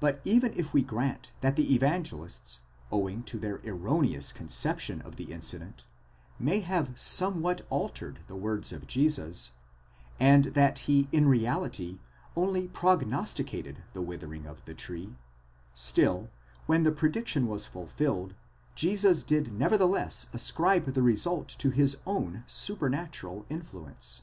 But even if we grant that the Evangelists, owing to their erroneous conception of the incident, may have somewhat altered the words of Jesus, and that he in reality only prognosticated the withering of the tree ; still, when the prediction was fulfilled, Jesus did nevertheless ascribe the result to his own supernatural influence.